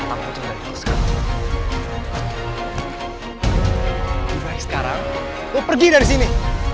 aku bilang sekarang lu pergi dari sini